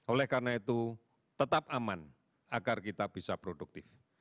oleh karena itu tetap aman agar kita bisa produktif